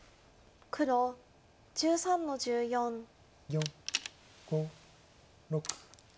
４５６。